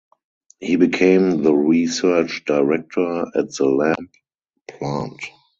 He became the research director at the Lamp Plant.